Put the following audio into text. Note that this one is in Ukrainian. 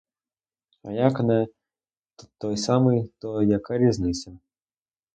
А як не той самий, то яка різниця?